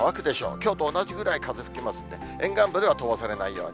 きょうと同じぐらい風吹きますんで、沿岸部では飛ばされないように。